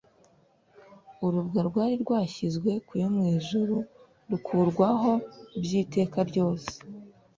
Urubwa rwari rwashyizwe ku yo mu ijuru rukurwaho by'iteka ryose.